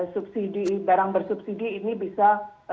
subsidi barang bersubsidi ini bisa